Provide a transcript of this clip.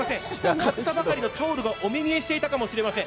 買ったばかりのタオルがお目見えしたかもしれません。